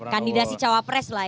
kandidasi cawapres lah ya